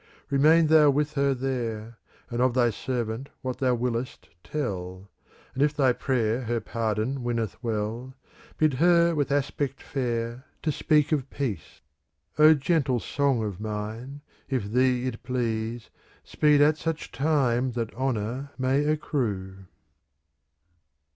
Remain thou with her there. And of thy servant what thou wiliest, tell ;*" And if thy prayer her pardon winneth well. Bid her with aspect fair to speak of peace." O gentle song of mine, if thee it please. Speed at such time that honour may accrue.